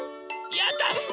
やった！